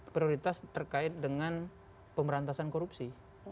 prioritas terkait dengan pemberantasan korupsi